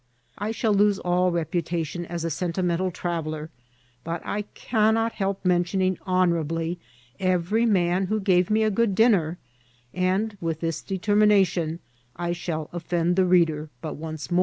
I shaB lose all reputation as a sentimental traveller, but I can not help mentioning honourably every man who gave me a good dinner ; and with this determination I riiaU offend the reader but once more.